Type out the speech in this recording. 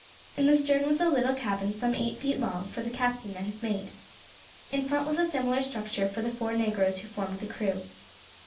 In the stern was a little cabin some eight feet long for the captain and his mate. In front was a similar structure for the four negroes who formed the crew.